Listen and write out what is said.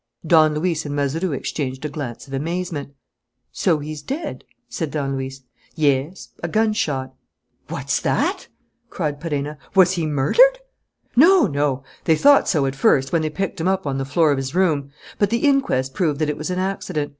Don Luis and Mazeroux exchanged a glance of amazement. "So he's dead?" said Don Luis. "Yes, a gunshot." "What's that!" cried Perenna. "Was he murdered?" "No, no. They thought so at first, when they picked him up on the floor of his room; but the inquest proved that it was an accident.